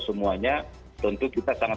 semuanya tentu kita sangat